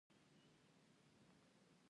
لندۍ د پښتو ځانګړتیا ده